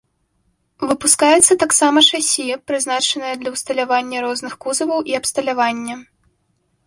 Выпускаецца таксама шасі, прызначанае для ўсталявання розных кузаваў і абсталявання.